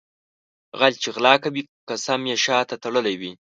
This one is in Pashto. غل چې غلا کوي قسم یې شاته تړلی وي.